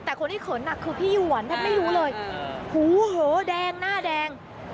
แต่คนที่เขินหนักคือพี่หวันท่านไม่รู้เลยโหแดงหน้าแดง